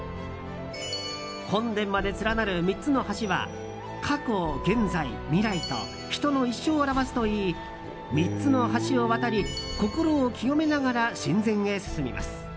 本殿まで連なる３つの橋は過去、現在、未来と人の一生を表すといい３つの橋を渡り心を清めながら神前へ進みます。